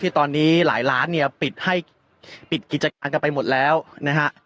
ที่ตอนนี้หลายร้านปิดกิจการกันไปหมดแล้วนะครับ